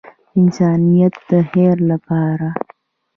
د انسانیت د خیر لپاره.